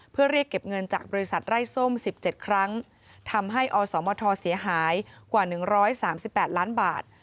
เพื่อเรียกเก็บเงินจากบริษัทไร้ส้มสิบเจ็ดครั้งทำให้อสมทเสียหายกว่าหนึ่งร้อยสามสิบแปดล้านบาท